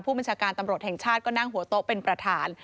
บัญชาการตำรวจแห่งชาติก็นั่งหัวโต๊ะเป็นประธาน